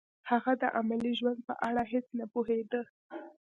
هغه د عملي ژوند په اړه هیڅ نه پوهېده